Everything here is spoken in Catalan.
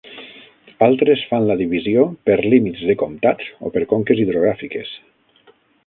Altres fan la divisió per límits de comtats o per conques hidrogràfiques.